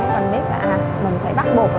không cần biết là mình phải bắt buộc